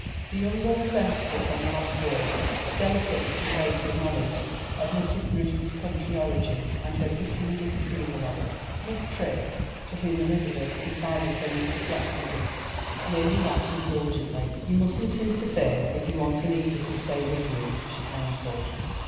The young woman's emphasis on the last word delicately conveyed her knowledge of Mrs. Brewster's country origin, and her pitying disapproval of it. Miss Tripp, to whom Elizabeth confided her new perplexities, merely laughed indulgently. "You mustn't interfere, if you want Annita to stay with you," she counselled.